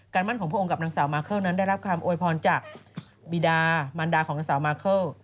มั่นของพระองค์กับนางสาวมาเคิลนั้นได้รับคำโวยพรจากบีดามันดาของนางสาวมาเคิล